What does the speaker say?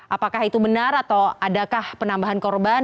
apakah itu benar atau adakah penambahan korban